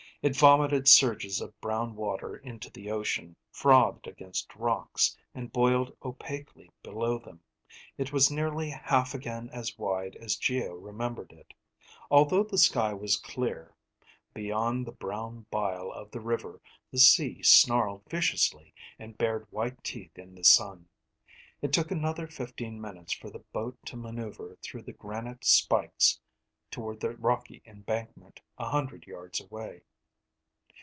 It vomited surges of brown water into the ocean, frothed against rocks, and boiled opaquely below them. It was nearly half again as wide as Geo remembered it. Although the sky was clear, beyond the brown bile of the river, the sea snarled viciously and bared white teeth in the sun. It took another fifteen minutes for the boat to maneuver through the granite spikes toward the rocky embankment a hundred yards away.